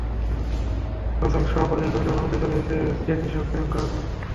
সজল শাহ পরিচালিত ছবিটির অন্যান্য চরিত্রে রয়েছেন জ্যাকি শ্রফ, প্রিয়াঙ্কা বোস প্রমুখ।